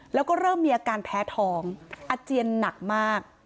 แล้วก็เริ่มมีอาการแพ้ท้องอาเจียนหนักมาก